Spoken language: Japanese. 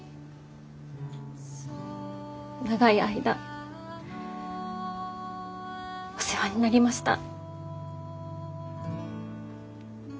長い間お世話になりました。